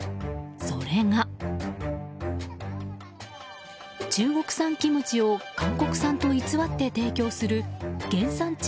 それが、中国産キムチを韓国産と偽って提供する原産地